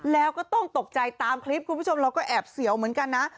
แล้วก็ต้องตกใจตามคลิปคุณผู้ชมเราก็แอบเสียวเหมือนกันนะ